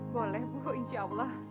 boleh bu insya allah